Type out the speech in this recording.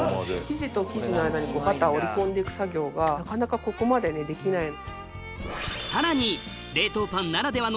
生地と生地の間にバターを折り込んで行く作業がなかなかここまでできない。